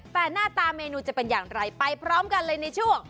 แต่หน้าตาเมนูจะเป็นอย่างไรไปพร้อมกันเลยในช่วง